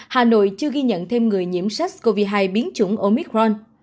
hà nội chưa ghi nhận thêm người nhiễm sars cov hai biến chủng omicron